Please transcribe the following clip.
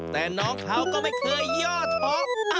แต่น้องเขาก็ไม่เคยย่อท้อ